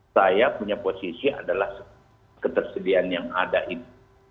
saya punya posisi adalah ketersediaan yang ada itu